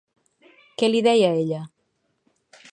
Què li deia ella?